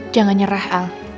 jangan nyerah al